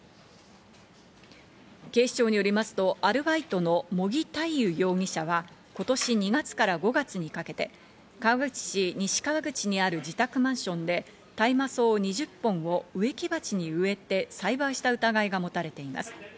警視庁によりますとアルバイトの茂木大勇容疑者は、今年２月から５月にかけて、川口市・西川口にある自宅マンションで大麻草２０本を植木鉢に植えて栽培した疑いが持たれています。